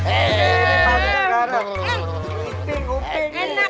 enak kan ini anak buah